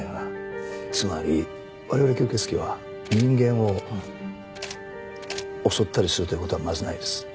つまり我々吸血鬼は人間を襲ったりするという事はまずないです。